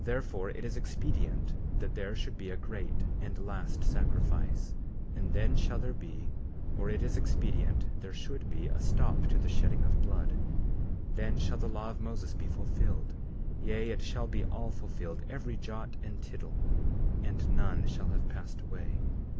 34:13 Therefore, it is expedient that there should be a great and last sacrifice; and then shall there be, or it is expedient there should be, a stop to the shedding of blood; then shall the law of Moses be fulfilled; yea, it shall be all fulfilled, every jot and tittle, and none shall have passed away.